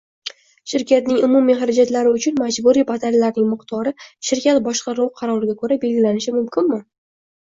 Shirkatning umumiy harajatlari uchun majburiy badallarning miqdori shirkat boshqaruvi qaroriga ko‘ra belgilanishi mumkinmi?